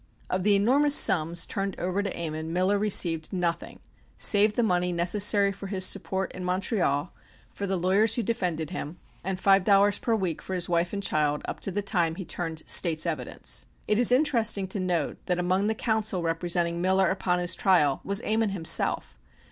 Of the enormous sums turned over to Ammon Miller received nothing save the money necessary for his support in Montreal, for the lawyers who defended him, and five dollars per week for his wife and child up to the time he turned State's evidence. It is interesting to note that among the counsel representing Miller upon his trial was Ammon himself.